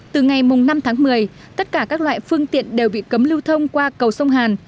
từ ngày năm tháng một mươi tất cả các loại phương tiện đều bị cấm lưu thông qua cầu sông hàn